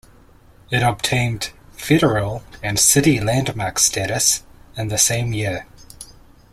It obtained federal and city landmark status in that same year.